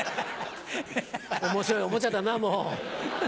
面白いおもちゃだなもう。